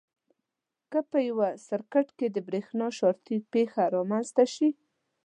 که په یو سرکټ کې د برېښنا شارټي پېښه رامنځته شي.